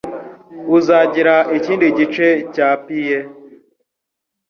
Uzagira ikindi gice cya pie?